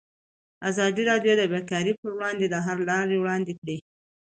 ازادي راډیو د بیکاري پر وړاندې د حل لارې وړاندې کړي.